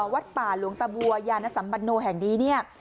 วัดป่าหลวงตะบัวยานสัมบันโนแห่งนี้เนี่ย